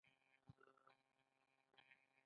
کتابچه د ادبیاتو لپاره مهمه ده